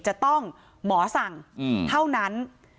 จะต้องหมอสั่งเท่านั้น